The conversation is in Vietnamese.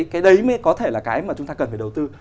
cái đấy mới có thể là cái mà chúng ta cần phải đầu tư